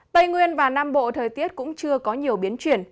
tây nguyên và nam bộ thời tiết cũng chưa có nhiều biến chuyển